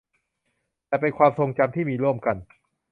แต่เป็นความทรงจำที่มีร่วมกัน